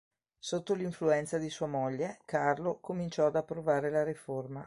Sotto l'influenza di sua moglie, Carlo cominciò ad approvare la Riforma.